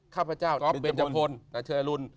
ข้าพเจ้าเบนเจ้าพลหนักเชื้อรุน